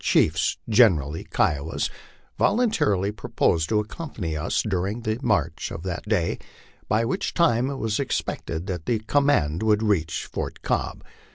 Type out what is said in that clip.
199 chiefs, generally Kiowas, voluntarily proposed to accompany us during the march of that day and the next, by which time it was expected that the com mand would reach Fort Cobb.